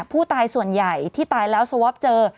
ส่วนใหญ่ที่ตายแล้วสวอปเจอ